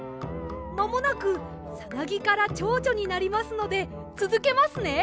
まもなくサナギからチョウチョになりますのでつづけますね。